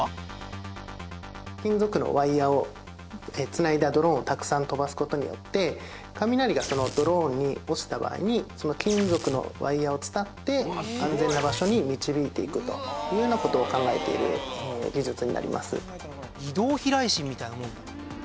金属のワイヤを繋いだドローンをたくさん飛ばす事によって雷がドローンに落ちた場合に金属のワイヤを伝って安全な場所に導いていくというような事を考えている技術になります。